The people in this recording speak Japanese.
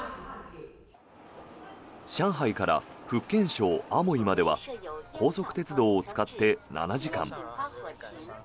上海から福建省アモイまでは高速鉄道を使って７時間。